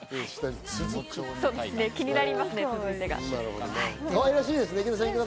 気になりますね、「つづく」が。